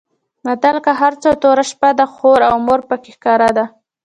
متل؛ که هر څو توره شپه ده؛ خور او مور په کې ښکاره ده.